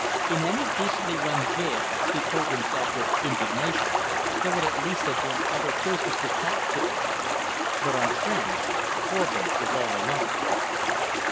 In any decently run jail, he told himself with indignation, there would at least have been other prisoners to talk to. But on Tr'en Korvin was all alone.